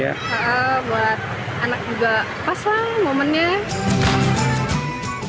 buat anak juga pas lah momennya